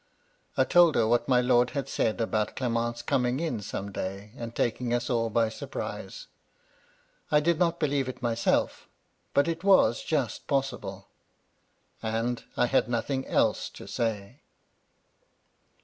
" I told her what my lord had said about Clement's coming in some day, and taking us all by surprise. I did not believe it myself, but it was just possible, — and I had nothing else to say.